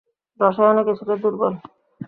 রসায়নে কিছুটা দুর্বল।